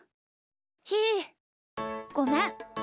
ひーごめん。